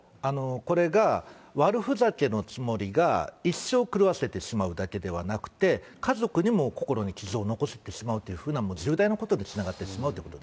これが悪ふざけのつもりが一生を狂わせてしまうだけではなくて、家族にも心に傷を残してしまうという重大なことにつながってしま